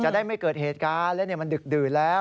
ได้ไม่เกิดเหตุการณ์และมันดึกดื่นแล้ว